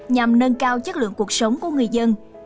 nhằm nâng cao chất lượng cuộc sống của người dân